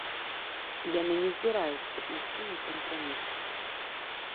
Яны не збіраюцца ісці на кампраміс.